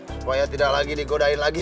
supaya tidak lagi digodain lagi